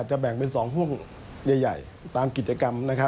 แบ่งเป็น๒ห่วงใหญ่ตามกิจกรรม